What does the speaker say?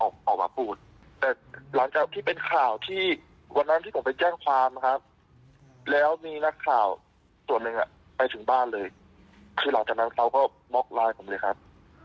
คือหลังจากนั้นเขาก็บ๊อกไลน์ผมเลยครับ